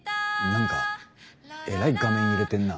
何かえらい画面揺れてんな。